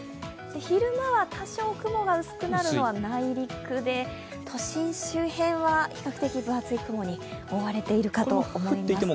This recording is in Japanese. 昼間は多少、雲が薄くなるのは内陸で、都心周辺は比較的、分厚い雲に覆われていると思います。